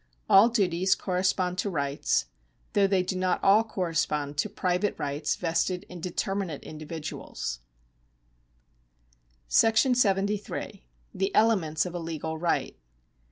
All duties correspond to rights, though they do not all correspond to private rights vested in determinate individuals, § 73. The Elements of a Legal Right.